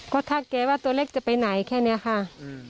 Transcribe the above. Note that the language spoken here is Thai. ก็ถ้าแกว่าตัวเล็กจะไปไหนแค่นี้ค่ะ